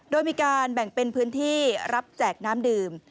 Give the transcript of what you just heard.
โดยมีการแบ่งเป็นพื้นที่รับแจกน้ำดื่ม